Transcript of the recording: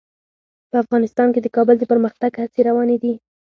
په افغانستان کې د کابل د پرمختګ هڅې روانې دي.